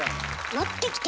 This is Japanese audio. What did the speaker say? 持ってきて？